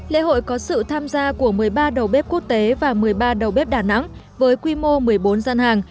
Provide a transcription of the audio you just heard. lễ hội có sự tham gia của một mươi ba đầu bếp quốc tế và một mươi ba đầu bếp đà nẵng với quy mô một mươi bốn gian hàng